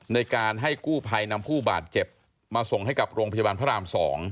ในการให้กู้ภัยนำผู้บาดเจ็บมาส่งให้กับโรงพยาบาลพระราม๒